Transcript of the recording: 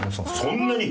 そんなに！